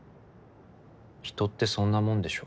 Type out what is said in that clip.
人ってそんなもんでしょ。